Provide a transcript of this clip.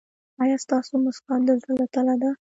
ایا ستاسو مسکا د زړه له تله ده؟